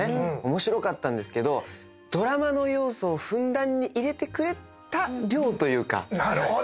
面白かったんですけどドラマの要素をふんだんに入れてくれた量というか。